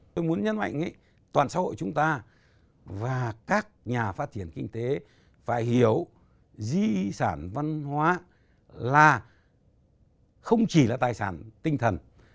tôi muốn nhấn mạnh toàn xã hội chúng ta và các nhà phát triển kinh tế phải hiểu di sản văn hóa là không chỉ là tài sản tinh thần